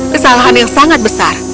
kesalahan yang sangat besar